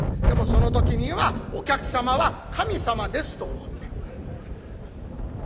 でもその時には「お客様は神様です」と思って。